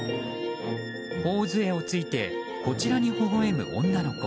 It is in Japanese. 頬杖をついてこちらにほほ笑む女の子。